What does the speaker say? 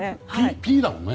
「ぴ」だもんね。